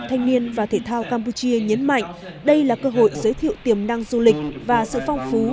thanh niên và thể thao campuchia nhấn mạnh đây là cơ hội giới thiệu tiềm năng du lịch và sự phong phú